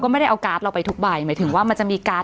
ไม่ได้เอาการ์ดเราไปทุกใบหมายถึงว่ามันจะมีการ์ด